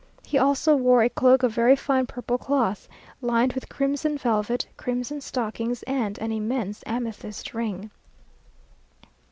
He also wore a cloak of very fine purple cloth, lined with crimson velvet, crimson stockings, and an immense amethyst ring.